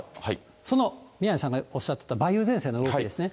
その宮根さんがおっしゃってた梅雨前線の動きですね。